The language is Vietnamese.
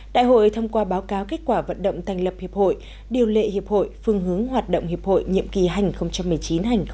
đại hội thông qua báo cáo kết quả vận động thành lập hiệp hội điều lệ hiệp hội phương hướng hoạt động hiệp hội nhiệm kỳ hành một mươi chín hai nghìn hai mươi